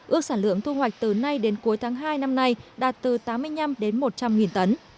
ước sản lượng thu hoạch từ nay đến cuối tháng hai năm nay đạt từ tám mươi năm đến một trăm linh tấn